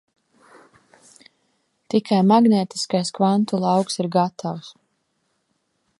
Tikai magnētiskais kvantu lauks ir gatavs.